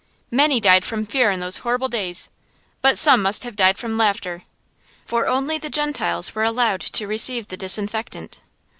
Many died from fear in those horrible days, but some must have died from laughter. For only the Gentiles were allowed to receive the disinfectant.